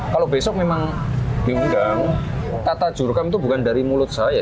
kalau besok memang diundang kata jurukam itu bukan dari mulut saya